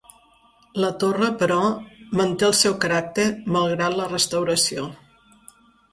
La torre, però, manté el seu caràcter malgrat la restauració.